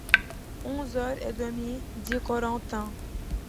Onze heures et demie ! dit Corentin.